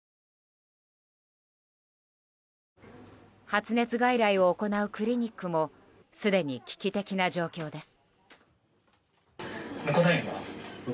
発熱外来を行うクリニックもすでに危機的な状況です。